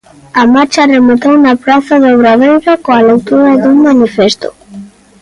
A marcha rematou na praza do Obradoiro coa lectura dun manifesto.